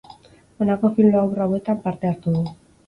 Honako film labur hauetan parte hartu du.